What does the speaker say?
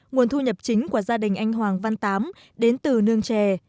nguồn thu nhập chính của gia đình anh hoàng văn tám đến từ nương chè